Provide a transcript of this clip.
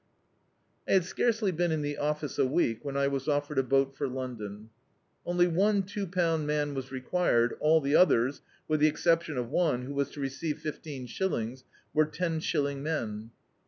I had scarcely been in the office a week, when I was offered a boat for Londrai. Only one two pound man was required, all the others, with the exception of one, who was to receive fifteen shillings, were ten shilling men.